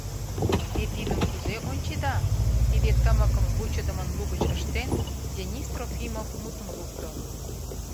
Те тидым кузе ончеда? — тиде тымыкым вучыдымын лугыч ыштен, Денис Трофимов мутым лукто.